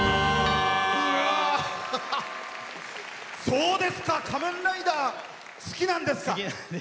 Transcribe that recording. そうですか「仮面ライダー」好きなんですか。